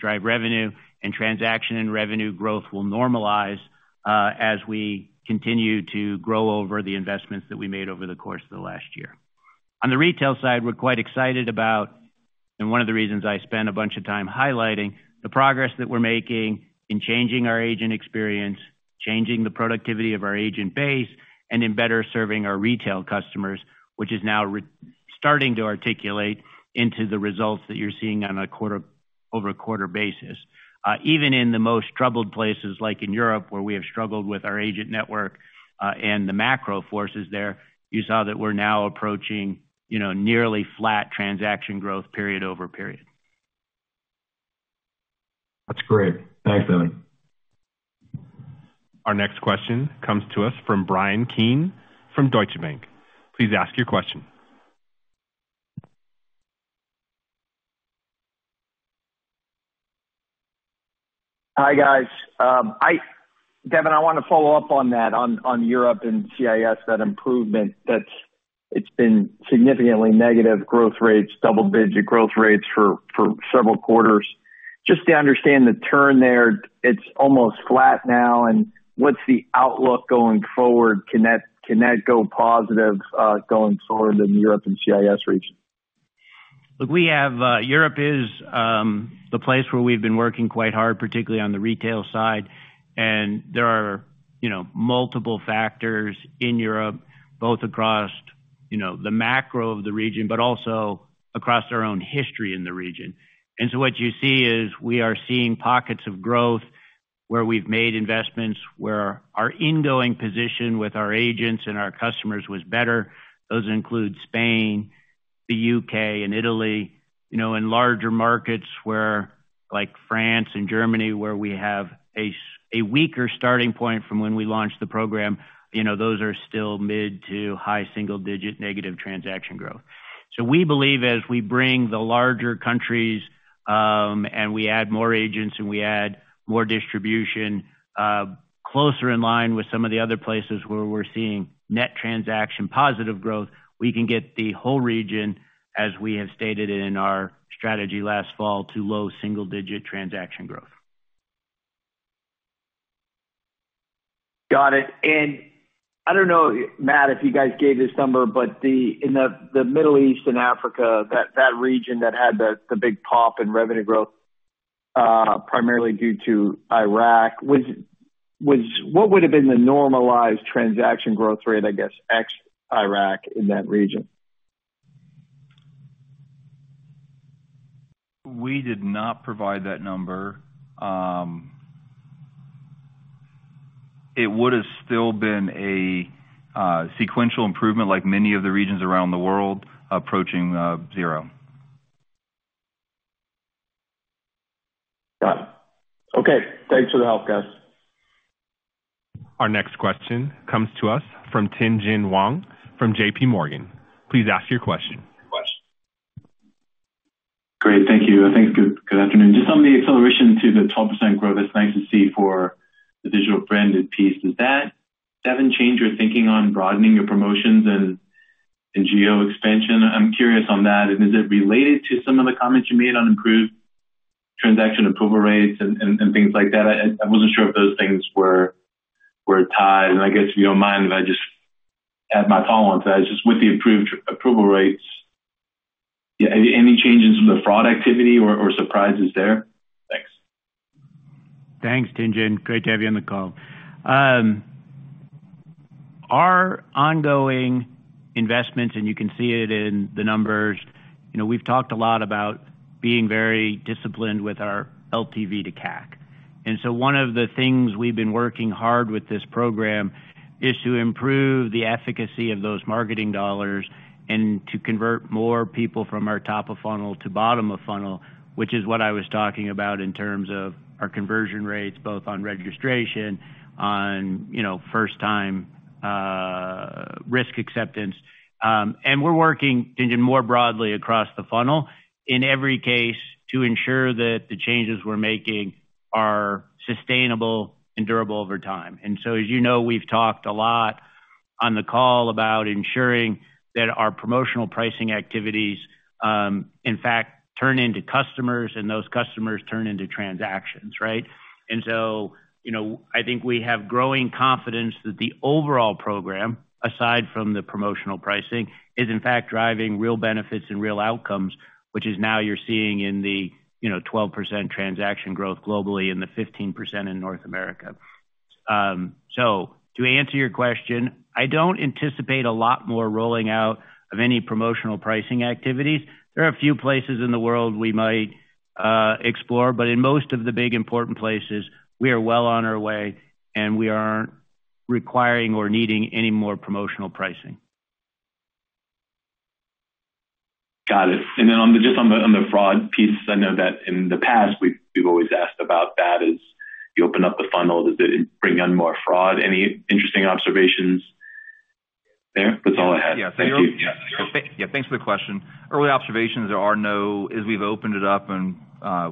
drive revenue, and transaction and revenue growth will normalize, as we continue to grow over the investments that we made over the course of the last year. On the retail side, we're quite excited about, and one of the reasons I spent a bunch of time highlighting, the progress that we're making in changing our agent experience, changing the productivity of our agent base, and in better serving our retail customers, which is now starting to articulate into the results that you're seeing on a quarter-over-quarter basis. Even in the most troubled places, like in Europe, where we have struggled with our agent network, and the macro forces there, you saw that we're now approaching, you know, nearly flat transaction growth period over period. That's great. Thanks, Devin. Our next question comes to us from Bryan Keane from Deutsche Bank. Please ask your question. Hi, guys. Devin, I want to follow up on that, on Europe and CIS, that improvement, that's... It's been significantly negative growth rates, double-digit growth rates for several quarters. Just to understand the turn there, it's almost flat now, and what's the outlook going forward? Can that go positive going forward in the Europe and CIS region? Look, we have, Europe is the place where we've been working quite hard, particularly on the retail side, and there are, you know, multiple factors in Europe, both across, you know, the macro of the region, but also across our own history in the region. What you see is, we are seeing pockets of growth. where we've made investments, where our ingoing position with our agents and our customers was better. Those include Spain, the UK, and Italy. You know, in larger markets where, like France and Germany, where we have a weaker starting point from when we launched the program, you know, those are still mid-to-high single-digit negative transaction growth. We believe as we bring the larger countries, and we add more agents, and we add more distribution, closer in line with some of the other places where we're seeing net transaction positive growth, we can get the whole region, as we have stated in our strategy last fall, to low single-digit transaction growth. Got it. I don't know, Matt, if you guys gave this number, but the, in the Middle East and Africa, that region that had the big pop in revenue growth, primarily due to Iraq, what would have been the normalized transaction growth rate, I guess, ex Iraq in that region? We did not provide that number. It would have still been a sequential improvement like many of the regions around the world, approaching zero. Got it. Okay, thanks for the help, guys. Our next question comes to us from Tien-tsin Huang from J.P. Morgan. Please ask your question. Great, thank you. I think good afternoon. Just on the acceleration to the 12% growth, it's nice to see for the digital branded piece. Does that change your thinking on broadening your promotions and geo expansion? I'm curious on that. Is it related to some of the comments you made on improved transaction approval rates and things like that? I wasn't sure if those things were tied. I guess, if you don't mind, if I just add my follow on to that, just with the improved approval rates, yeah, any changes in the fraud activity or surprises there? Thanks. Thanks, Tien-tsin. Great to have you on the call. Our ongoing investments, and you can see it in the numbers, you know, we've talked a lot about being very disciplined with our LTV to CAC. One of the things we've been working hard with this program is to improve the efficacy of those marketing dollars and to convert more people from our top of funnel to bottom of funnel. Which is what I was talking about in terms of our conversion rates, both on registration, on, you know, first-time risk acceptance. We're working, Tien-tsin, more broadly across the funnel, in every case, to ensure that the changes we're making are sustainable and durable over time. As you know, we've talked a lot on the call about ensuring that our promotional pricing activities, in fact, turn into customers, and those customers turn into transactions, right? You know, I think we have growing confidence that the overall program, aside from the promotional pricing, is in fact driving real benefits and real outcomes, which is now you're seeing in the, you know, 12% transaction growth globally and the 15% in North America. So to answer your question, I don't anticipate a lot more rolling out of any promotional pricing activities. There are a few places in the world we might explore, but in most of the big, important places, we are well on our way, and we aren't requiring or needing any more promotional pricing. Got it. On the, just on the, on the fraud piece, I know that in the past, we've always asked about that, as you open up the funnel, does it bring on more fraud? Any interesting observations there? That's all I had. Thank you. Yeah. Thanks for the question. Early observations, there are no... As we've opened it up and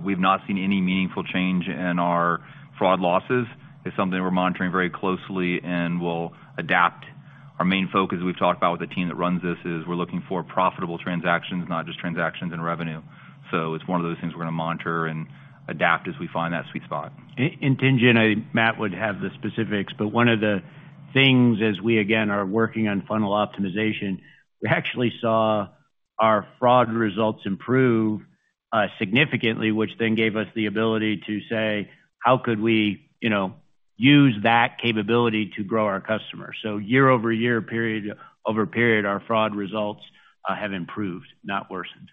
we've not seen any meaningful change in our fraud losses. It's something we're monitoring very closely and we'll adapt. Our main focus, we've talked about with the team that runs this, is we're looking for profitable transactions, not just transactions and revenue. It's one of those things we're going to monitor and adapt as we find that sweet spot. Tien-tsin Huang, I think Matt Cagwin would have the specifics, but one of the things, as we again are working on funnel optimization, we actually saw our fraud results improve significantly, which then gave us the ability to say: How could we, you know, use that capability to grow our customers? Year-over-year, period-over-period, our fraud results have improved, not worsened.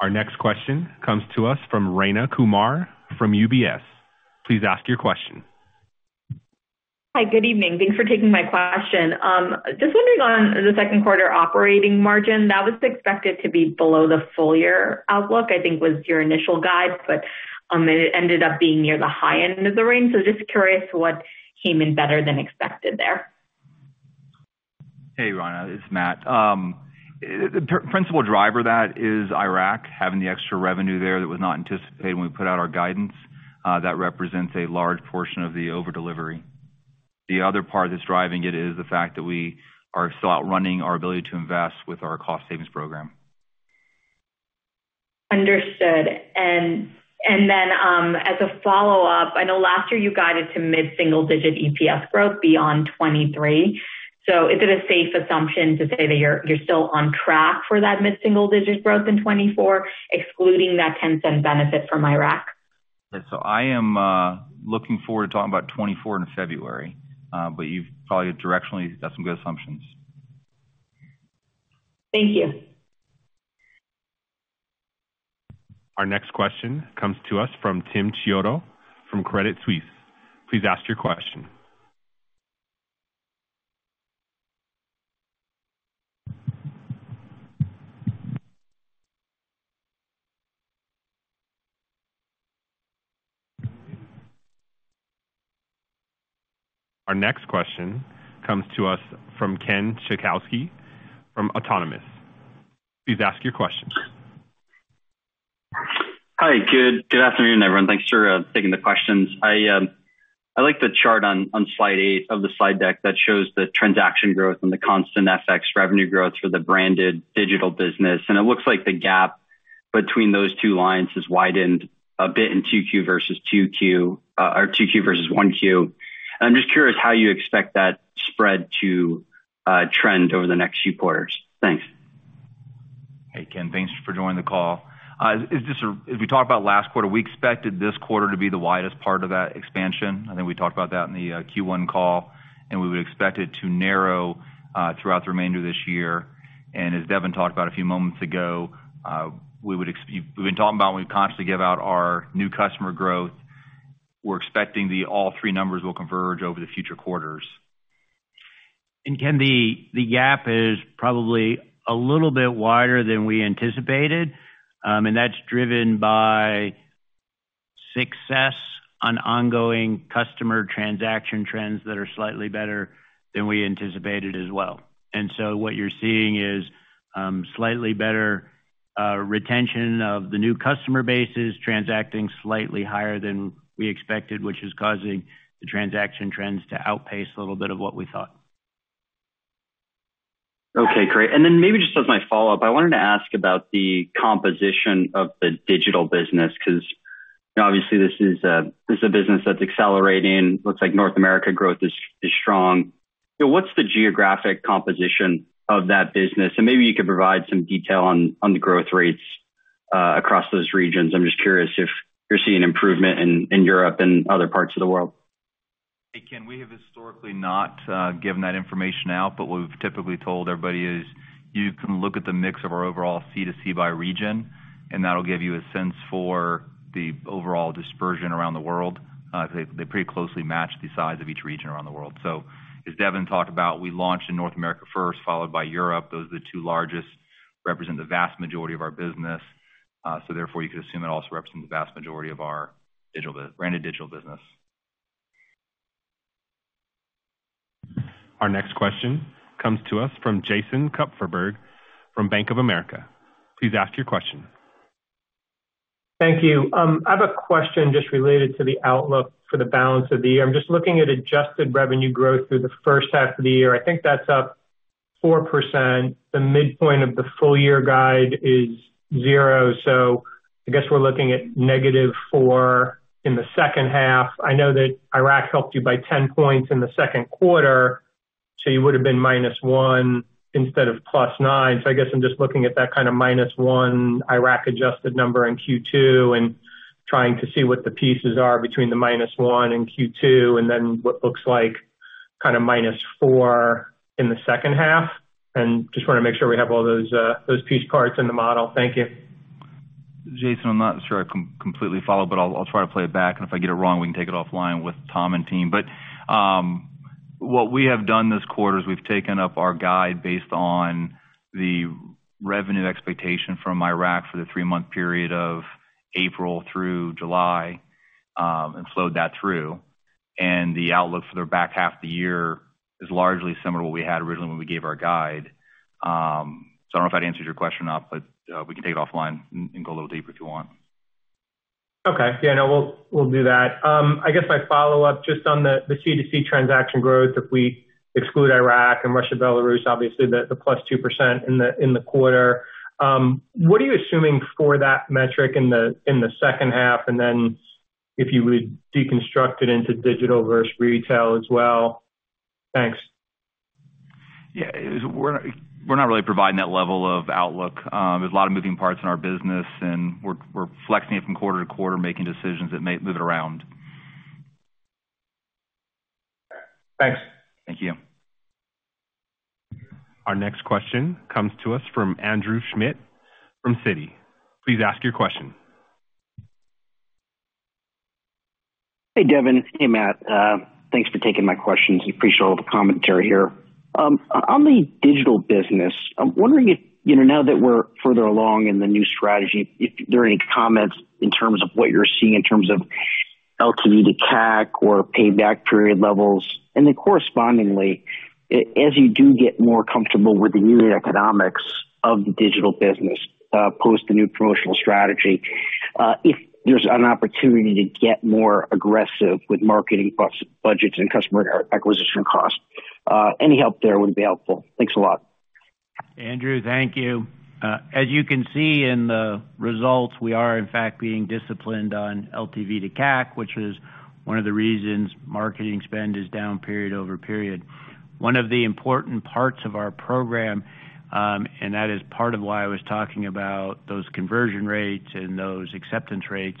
Our next question comes to us from Rayna Kumar from UBS. Please ask your question. Hi, good evening. Thanks for taking my question. Just wondering on the second quarter operating margin, that was expected to be below the full year outlook, I think was your initial guide, but it ended up being near the high end of the range. Just curious what came in better than expected there? Hey, Rayna, it's Matt. The principal driver of that is Iraq, having the extra revenue there that was not anticipated when we put out our guidance. That represents a large portion of the over-delivery. The other part that's driving it is the fact that we are still outrunning our ability to invest with our cost savings program. Understood. As a follow-up, I know last year you guided to mid-single digit EPS growth beyond 2023. Is it a safe assumption to say that you're still on track for that mid-single digit growth in 2024, excluding that $0.10 benefit from Iraq? I am looking forward to talking about 2024 in February. You've probably directionally got some good assumptions. Thank you. Our next question comes to us from Timothy Chiodo from Credit Suisse. Please ask your question. Our next question comes to us from Ken Suchoski from Autonomous. Please ask your question. Hi, good afternoon, everyone. Thanks for taking the questions. I like the chart on slide 8 of the slide deck that shows the transaction growth and the constant FX revenue growth for the branded digital business. It looks like the gap between those two lines has widened a bit in 2Q versus 2Q, or 2Q versus 1Q. I'm just curious how you expect that spread to trend over the next few quarters. Thanks. Hey, Ken, thanks for joining the call. If we talk about last quarter, we expected this quarter to be the widest part of that expansion. I think we talked about that in the Q1 call, and we would expect it to narrow throughout the remainder of this year. As Devin talked about a few moments ago, we've been talking about, we constantly give out our new customer growth. We're expecting the all three numbers will converge over the future quarters. Ken, the gap is probably a little bit wider than we anticipated, and that's driven by success on ongoing customer transaction trends that are slightly better than we anticipated as well. What you're seeing is, slightly better, retention of the new customer bases, transacting slightly higher than we expected, which is causing the transaction trends to outpace a little bit of what we thought. Okay, great. Maybe just as my follow-up, I wanted to ask about the composition of the digital business, 'cause obviously this is a business that's accelerating. Looks like North America growth is strong. What's the geographic composition of that business? Maybe you could provide some detail on the growth rates across those regions. I'm just curious if you're seeing improvement in Europe and other parts of the world. Hey, Ken, we have historically not given that information out, but what we've typically told everybody is, you can look at the mix of our overall C2C by region, and that'll give you a sense for the overall dispersion around the world. They pretty closely match the size of each region around the world. As Devin talked about, we launched in North America first, followed by Europe. Those are the two largest, represent the vast majority of our business. Therefore, you can assume it also represents the vast majority of our digital branded digital business. Our next question comes to us from Jason Kupferberg from Bank of America. Please ask your question. Thank you. I have a question just related to the outlook for the balance of the year. I'm just looking at adjusted revenue growth through the first half of the year. I think that's up 4%. The midpoint of the full year guide is 0, I guess we're looking at negative 4 in the second half. I know that ARS helped you by 10 points in the second quarter, you would've been minus 1 instead of plus 9. I guess I'm just looking at that kind of minus 1 ARS-adjusted number in Q2 and trying to see what the pieces are between the minus 1 in Q2, and what looks like kind of minus 4 in the second half. Just wanna make sure we have all those piece parts in the model. Thank you. Jason, I'm not sure I completely follow, but I'll try to play it back, and if I get it wrong, we can take it offline with Tom and team. What we have done this quarter is we've taken up our guide based on the revenue expectation from Iraq for the 3-month period of April through July and slowed that through. The outlook for the back half of the year is largely similar to what we had originally when we gave our guide. I don't know if that answers your question or not, but we can take it offline and go a little deeper if you want. Okay. Yeah, no, we'll do that. I guess my follow-up, just on the C2C transaction growth, if we exclude Iraq and Russia, Belarus, obviously the plus 2% in the quarter. What are you assuming for that metric in the second half? Then if you would deconstruct it into digital versus retail as well? Thanks. Yeah, we're not really providing that level of outlook. There's a lot of moving parts in our business, and we're flexing it from quarter to quarter, making decisions that may move it around. Thanks. Thank you. Our next question comes to us from Andrew Schmidt from Citi. Please ask your question. Hey, Devin. Hey, Matt. Thanks for taking my questions. I appreciate all the commentary here. On the digital business, I'm wondering if, you know, now that we're further along in the new strategy, if there are any comments in terms of what you're seeing in terms of LTV to CAC or payback period levels, and then correspondingly, as you do get more comfortable with the new economics of the digital business, post the new promotional strategy, if there's an opportunity to get more aggressive with marketing budgets and customer acquisition costs. Any help there would be helpful. Thanks a lot. Andrew, thank you. As you can see in the results, we are, in fact, being disciplined on LTV to CAC, which is one of the reasons marketing spend is down period over period. One of the important parts of our program, and that is part of why I was talking about those conversion rates and those acceptance rates,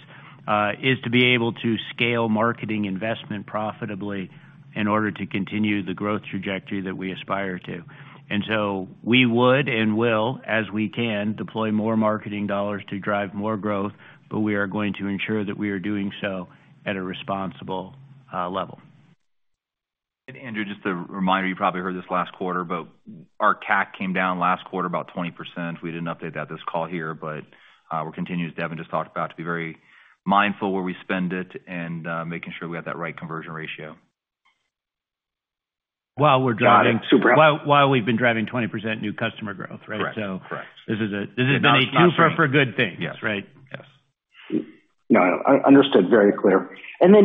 is to be able to scale marketing investment profitably in order to continue the growth trajectory that we aspire to. We would and will, as we can, deploy more marketing dollars to drive more growth, but we are going to ensure that we are doing so at a responsible level. Andrew, just a reminder, you probably heard this last quarter, but our CAC came down last quarter about 20%. We didn't update that this call here, but we're continuing, as Devin just talked about, to be very mindful where we spend it and making sure we have that right conversion ratio. While we've been driving 20% new customer growth, right? This has been a two for good thing. Right? No, I, understood. Very clear.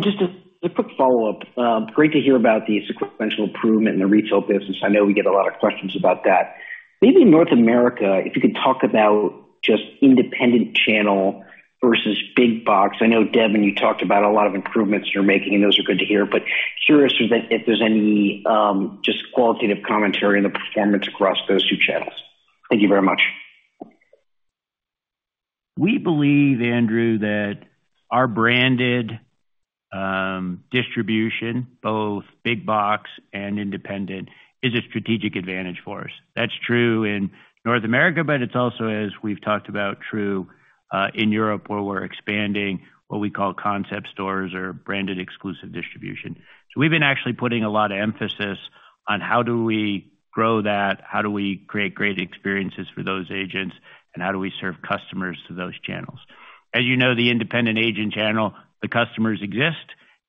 Just a quick follow-up. Great to hear about the sequential improvement in the retail business. I know we get a lot of questions about that. Maybe North America, if you could talk about just independent channel versus big box. I know, Devin, you talked about a lot of improvements you're making, and those are good to hear, but curious if there's any, just qualitative commentary on the performance across those two channels. Thank you very much. We believe, Andrew, that our branded distribution, both big box and independent, is a strategic advantage for us. That's true in North America, it's also, as we've talked about, true in Europe, where we're expanding what we call concept stores or branded exclusive distribution. We've been actually putting a lot of emphasis on how do we grow that, how do we create great experiences for those agents, and how do we serve customers to those channels. As you know, the independent agent channel, the customers exist,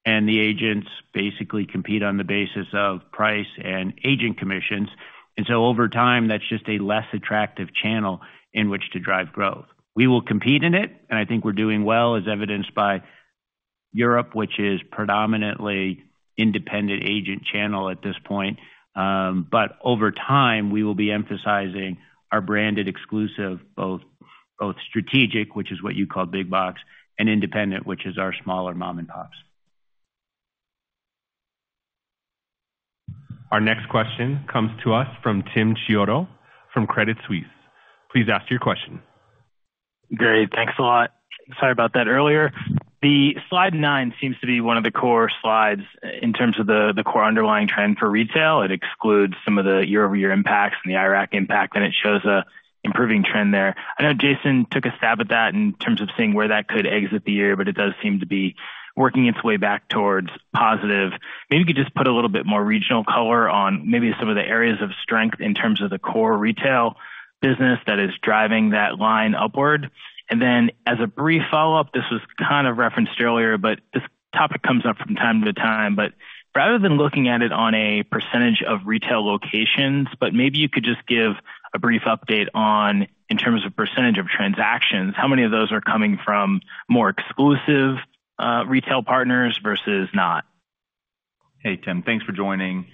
and the agents basically compete on the basis of price and agent commissions. Over time, that's just a less attractive channel in which to drive growth. We will compete in it, and I think we're doing well, as evidenced by Europe, which is predominantly independent agent channel at this point. Over time, we will be emphasizing our branded exclusive, both strategic, which is what you call big box, and independent, which is our smaller mom-and-pops. Our next question comes to us from Timothy Chiodo from Credit Suisse. Please ask your question. Great. Thanks a lot. Sorry about that earlier. The slide 9 seems to be one of the core slides in terms of the core underlying trend for retail. It excludes some of the year-over-year impacts and the Iraq impact, and it shows an improving trend there. I know Jason took a stab at that in terms of seeing where that could exit the year, but it does seem to be working its way back towards positive. Maybe you could just put a little bit more regional color on maybe some of the areas of strength in terms of the core retail business that is driving that line upward. As a brief follow-up, this was kind of referenced earlier, but this topic comes up from time to time. Rather than looking at it on a percentage of retail locations, but maybe you could just give a brief update on, in terms of percent of transactions, how many of those are coming from more exclusive retail partners versus not? Hey, Tim, thanks for joining.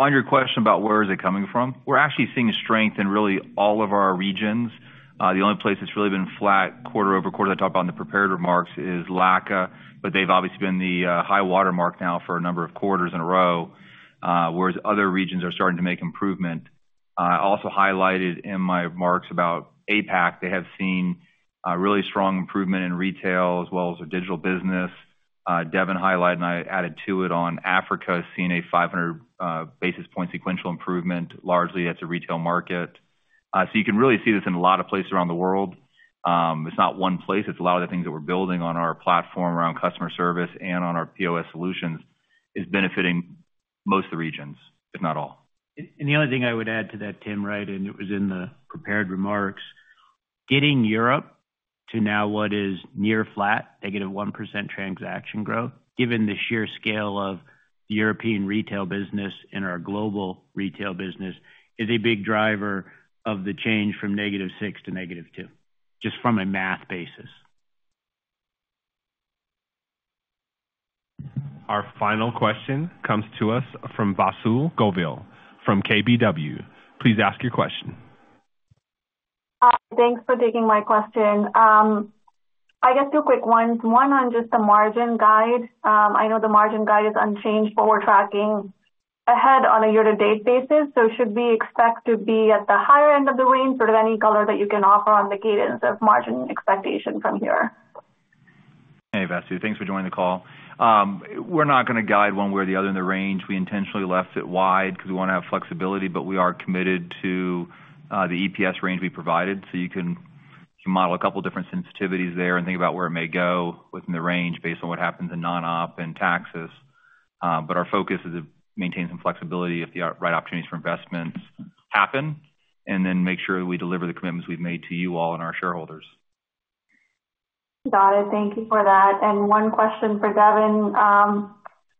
On your question about where is it coming from, we're actually seeing strength in really all of our regions. The only place that's really been flat quarter-over-quarter, I talked about in the prepared remarks, is LACA. They've obviously been the high water mark now for a number of quarters in a row, whereas other regions are starting to make improvement. I also highlighted in my remarks about APAC. They have seen a really strong improvement in retail as well as their digital business. Devin highlighted, and I added to it, on Africa, seeing a 500 basis points sequential improvement, largely as a retail market. You can really see this in a lot of places around the world. It's not one place, it's a lot of the things that we're building on our platform around customer service and on our POS solutions, is benefiting most of the regions, if not all. The only thing I would add to that, Tim, right, and it was in the prepared remarks, getting Europe to now what is near flat, -1% transaction growth, given the sheer scale of the European retail business and our global retail business, is a big driver of the change from -6% to -2%, just from a math basis. Our final question comes to us from Vasundhara Govil, from KBW. Please ask your question. Hi, thanks for taking my question. I guess two quick ones. One on just the margin guide. I know the margin guide is unchanged, but we're tracking ahead on a year-to-date basis, so should we expect to be at the higher end of the range, or any color that you can offer on the guidance of margin expectation from here? Hey, Vasu, thanks for joining the call. We're not gonna guide 1 way or the other in the range. We intentionally left it wide because we want to have flexibility, but we are committed to the EPS range we provided. You can model a couple different sensitivities there and think about where it may go within the range based on what happens in non-op and taxes. Our focus is to maintain some flexibility if the right opportunities for investments happen, and then make sure we deliver the commitments we've made to you all and our shareholders. Got it. Thank you for that. One question for Devin.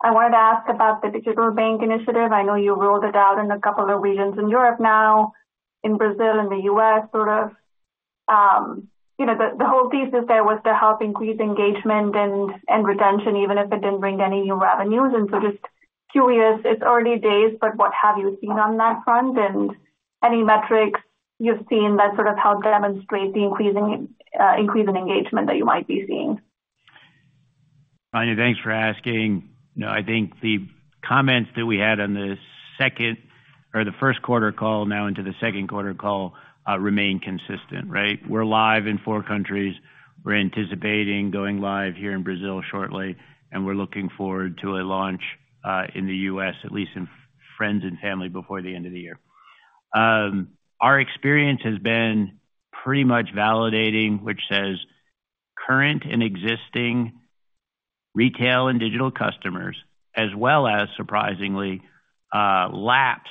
I wanted to ask about the digital bank initiative. I know you rolled it out in a couple of regions in Europe now, in Brazil and the U.S., sort of. You know, the whole piece is there was to help increase engagement and retention, even if it didn't bring any new revenues. Just curious, it's early days, but what have you seen on that front? Any metrics you've seen that sort of help demonstrate the increasing engagement that you might be seeing? Vasu, thanks for asking. You know, I think the comments that we had on the second or the first quarter call, now into the second quarter call, remain consistent, right? We're live in four countries. We're anticipating going live here in Brazil shortly, and we're looking forward to a launch in the US, at least in friends and family, before the end of the year. Our experience has been pretty much validating, which says current and existing retail and digital customers, as well as, surprisingly, lapsed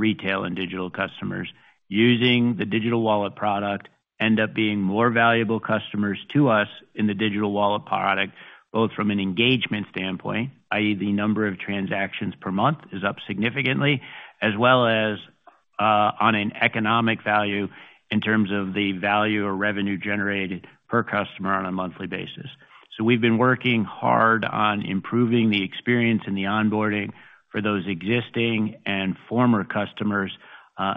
retail and digital customers, using the digital wallet product end up being more valuable customers to us in the digital wallet product, both from an engagement standpoint, i.e., the number of transactions per month is up significantly, as well as, on an economic value in terms of the value or revenue generated per customer on a monthly basis. We've been working hard on improving the experience and the onboarding for those existing and former customers,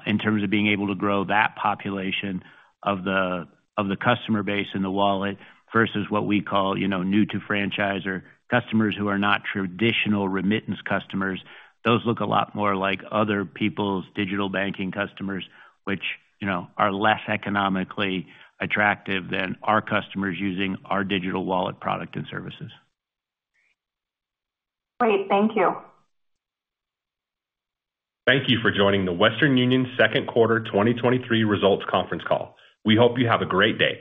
in terms of being able to grow that population of the, of the customer base in the wallet versus what we call, you know, new to franchisor. Customers who are not traditional remittance customers, those look a lot more like other people's digital banking customers, which, you know, are less economically attractive than our customers using our digital wallet product and services. Great. Thank you. Thank you for joining the Western Union second quarter 2023 results conference call. We hope you have a great day.